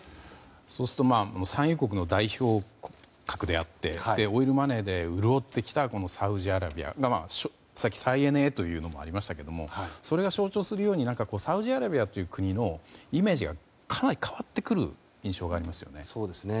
そうすると産油国の代表格であってオイルマネーで潤ってきたサウジアラビアがさっき、再エネというのもありましたがそれが象徴するようにサウジアラビアという国のイメージがかなり変わってくる印象がありますね。